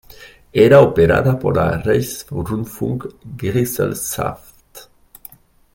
Era operada por la Reichs-Rundfunk-Gesellschaft.